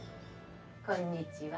こんにちは。